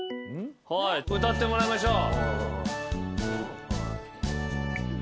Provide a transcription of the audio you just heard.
歌ってもらいましょう。